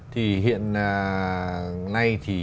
thì hiện nay thì